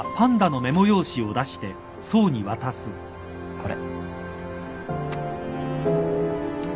これ。